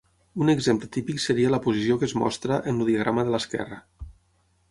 Un exemple típic seria la posició que es mostra en el diagrama de l'esquerra.